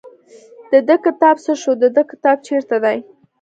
د ده کتاب څه شو د دې کتاب چېرته دی.